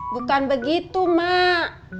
bukan begitu mak